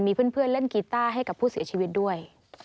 มีเพื่อนเล่นกีต้าให้กับผู้เสียชีวิตด้วย